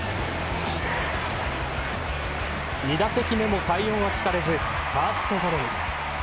２打席目も快音は聞かれずファーストゴロに。